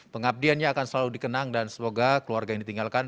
pengabdiannya akan selalu dikenang dan semoga keluarga yang ditinggalkan